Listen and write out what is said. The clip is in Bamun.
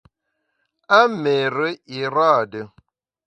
A méére na iraade.